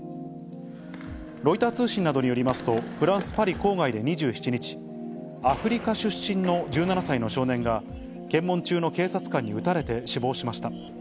ロイター通信などによりますと、フランス・パリ郊外で２７日、アフリカ出身の１７歳の少年が、検問中の警察官に撃たれて死亡しました。